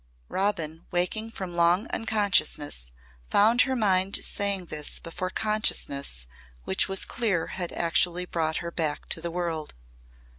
Robin waking from long unconsciousness found her mind saying this before consciousness which was clear had actually brought her back to the world.